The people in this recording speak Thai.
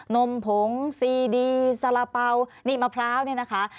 นมผงซีดีสาระเป๋านี่มะพร้าวเนี่ยนะคะ